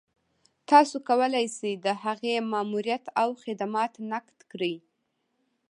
تاسو کولای شئ د هغې ماموريت او خدمات نقد کړئ.